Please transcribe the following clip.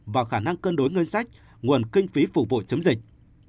vào khả năng cân đối ngân sách nguồn kinh phí phục vụ chống dịch